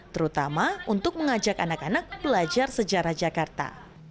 terutama untuk mengajak anak anak belajar sejarah jakarta